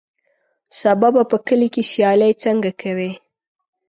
سبا به په کلي کې سیالۍ څنګه کوې.